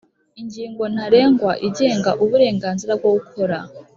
ingingo ntarengwa igenga uburenganzira bwo gukora